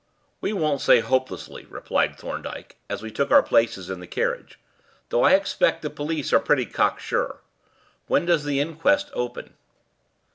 "We won't say 'hopelessly,'" replied Thorndyke, as we took our places in the carriage, "though I expect the police are pretty cocksure. When does the inquest open?"